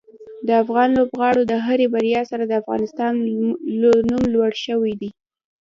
د افغان لوبغاړو د هرې بریا سره د افغانستان نوم لوړ شوی دی.